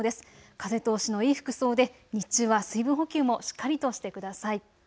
風通しのいい服装で日中は水分補給もしっかりとしてください。